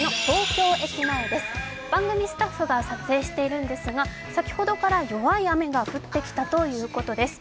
番組スタッフが撮影しているんですが、先ほどから弱い雨が降ってきたということです。